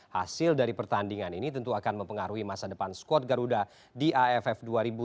hasil dari pertandingan ini tentu akan mempengaruhi masa depan squad garuda di aff dua ribu dua puluh